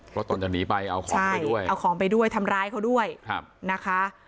เพราะตนจะหนีไปเอาของไปด้วยเอาของไปด้วยทำร้ายเขาด้วยนะคะ